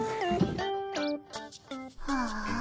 ああ。